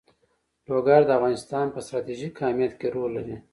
لوگر د افغانستان په ستراتیژیک اهمیت کې رول لري.